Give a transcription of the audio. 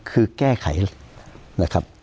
คือแก้ไขนะครับ